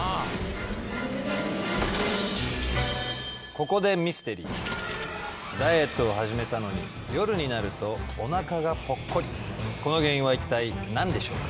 ここでミステリーダイエットを始めたのに夜になるとおなかがぽっこりこの原因は一体何でしょうか？